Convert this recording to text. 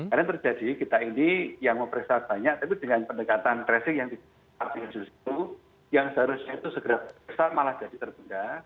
karena terjadi kita ini yang mau presa banyak tapi dengan pendekatan tracing yang tidak seperti itu yang seharusnya itu segera presa malah jadi terbenda